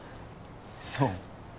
そう？